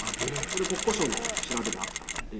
これ国交省の調べであったので。